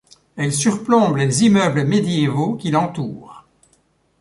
Elle surplombe les immeubles médiévaux qui l'entoure.